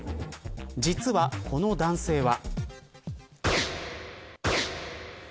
実は、この男性は。